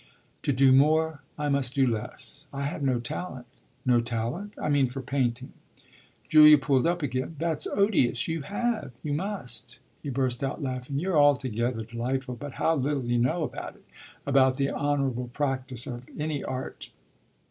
"To do more I must do less. I've no talent." "No talent?" "I mean for painting." Julia pulled up again. "That's odious! You have you must." He burst out laughing. "You're altogether delightful. But how little you know about it about the honourable practice of any art!"